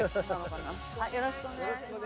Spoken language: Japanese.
よろしくお願いします。